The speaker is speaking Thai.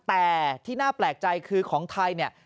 แต่ที่น่าแปลกใจคือของไทย